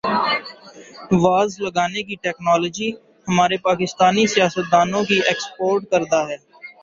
was لگانے کی technology ہمارے پاکستانی سیاستدا نوں کی ایکسپورٹ کردہ ہوگی